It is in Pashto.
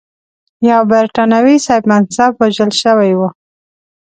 یو برټانوي صاحب منصب وژل شوی و.